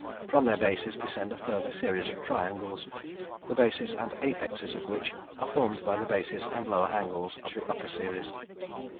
From their bases descend a further series of triangles, the bases and apexes of which are formed by the bases and lower angles of the upper series.